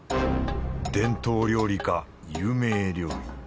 伝統料理か有名料理